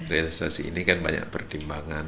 realisasi ini kan banyak pertimbangan